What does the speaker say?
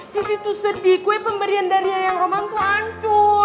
sisi tuh sedih kue pemberian dari yang rumah tuh hancur